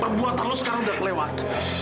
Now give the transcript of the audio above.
perbuatan lo sekarang udah lewat